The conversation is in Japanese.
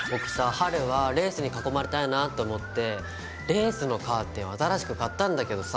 春はレースに囲まれたいなと思ってレースのカーテンを新しく買ったんだけどさ。